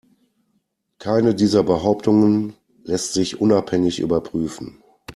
Keine dieser Behauptungen lässt sich unabhängig überprüfen.